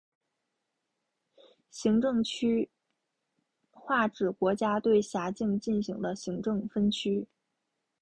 行政区划指国家对辖境进行的行政分区。